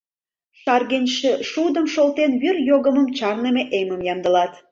Шаргенчышудым шолтен вӱр йогымым чарныме эмым ямдылат.